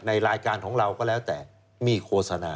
รายการของเราก็แล้วแต่มีโฆษณา